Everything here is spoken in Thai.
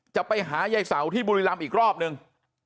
จะไปหายายเสาที่บุรีรำอีกรอบนึง